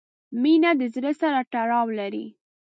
• مینه د زړۀ سره تړاو لري.